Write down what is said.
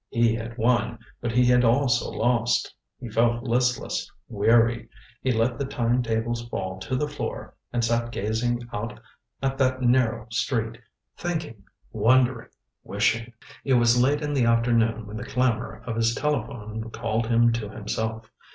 He had won, but he had also lost. He felt listless, weary. He let the time tables fall to the floor, and sat gazing out at that narrow street thinking wondering wishing It was late in the afternoon when the clamor of his telephone recalled him to himself.